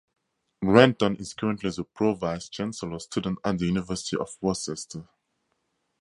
Renton is currently the Pro Vice Chancellor Students at the University of Worcester.